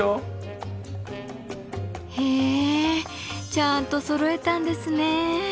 へえちゃんとそろえたんですね。